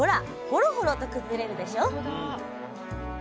ホロホロと崩れるでしょ！